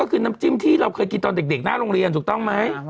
ก็คือน้ำจิ้มที่เราเคยกินตอนเด็กหน้าโรงเรียนถูกต้องไหม